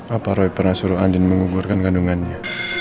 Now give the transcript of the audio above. apa roy pernah suruh andin menggugurkan kandungannya